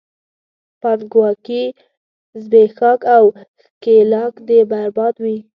پانګواکي، زبېښاک او ښکېلاک دې برباد وي!